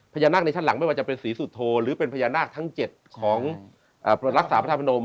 พญานาคในชั้นหลังไม่ว่าจะเป็นศรีสุโธหรือเป็นพญานาคทั้ง๗ของรักษาพระธาพนม